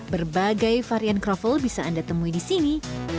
berbagai varian kroffel bisa anda temui di sini